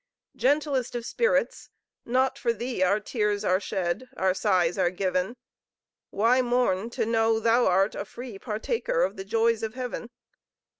Gentlest of spirits! not for thee Our tears are shed, our sighs are given: Why mourn to know thou art a free Partaker of the joys of Heaven?